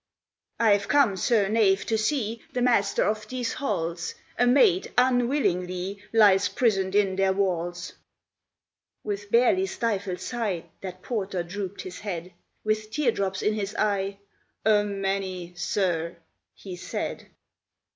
"I've come, sir knave, to see The master of these halls: A maid unwillingly Lies prisoned in their walls." With barely stifled sigh That porter drooped his head, With teardrops in his eye, "A many, sir," he said.